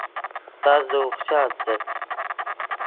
تس دے اوخچا استت